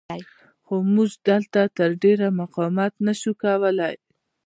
خو موږ دلته تر ډېره مقاومت نه شو کولی.